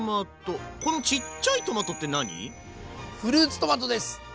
このフルーツトマトです。